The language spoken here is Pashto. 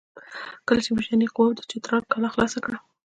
کله چې د برټانیې قواوو د چترال کلا خلاصه کړه.